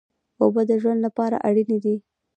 اوبه د ژوند لپاره اړینې دي.